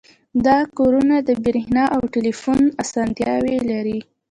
دا کورونه د بریښنا او ټیلیفون اسانتیاوې لري